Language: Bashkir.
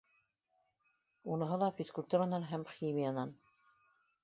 Уныһы ла физкультуранан һәм химиянан.